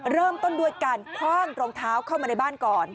เริ่มต้นด้วยการคว่างรองเท้าเข้ามาในบ้านก่อน